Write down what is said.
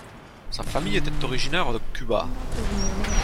Sa famille est originaire de Cuba.